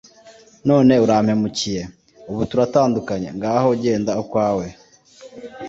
none urampemukiye, ubu turatandukanye ngaho genda ukwawe